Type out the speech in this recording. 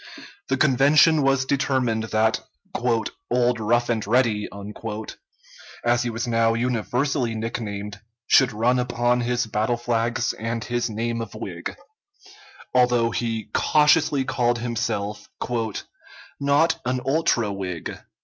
The convention was determined that "Old Rough and Ready," as he was now universally nicknamed, should run upon his battle flags and his name of Whig although he cautiously called himself "not an ultra Whig."